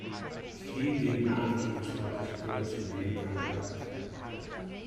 He did not give slightest appearance of being contrite.